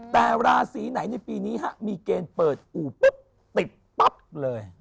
แต่ราศีไหนในปีนี้มีเกณฑ์เปิดอู่ปุ๊บติดปั๊บเลย